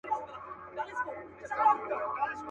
کعبه د ابراهیم راڅخه ورکه سوه خاونده.